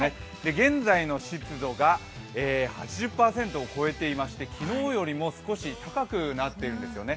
現在の湿度が８０％を超えていまして、昨日よりも少し高くなっているんですよね。